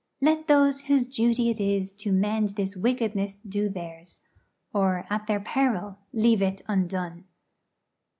Let those whose duty it is to mend this wickedness do theirs, or at their peril leave it undone.